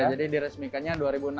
jadi diresmikannya dua ribu enam belas